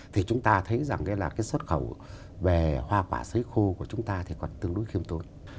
thì chúng ta thấy rằng là cái xuất khẩu về hoa quả xấy khô của chúng ta thì còn tương đối khiêm tốn